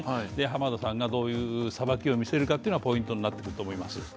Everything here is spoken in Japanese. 浜田さんがどういうさばきを見せるのかがポイントになってくると思います。